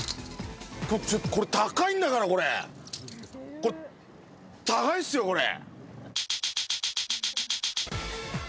これ高いんだから、高いんすよ、これ。